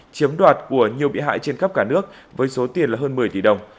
chiếm đoạt của nhiều bị hại trên khắp cả nước với số tiền là hơn một mươi tỷ đồng